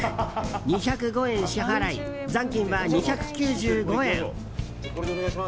２０５円支払い、残金は２９５円。